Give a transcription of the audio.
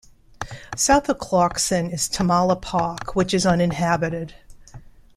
South of Clarkson is Tamala Park, which is uninhabited.